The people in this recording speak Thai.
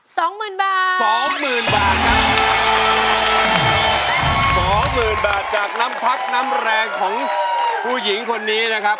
สองหมื่นบาทจากน้ำพลักษณ์น้ำแรงของผู้หญิงคนนี้นะครับ